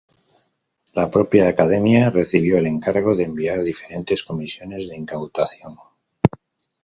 La propia Academia recibió el encargo de enviar diferentes comisiones de incautación.